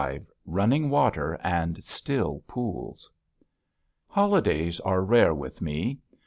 V "RUNNING WATER AND STILL POOLS" Holidays are rare with me.